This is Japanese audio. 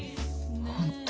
本当。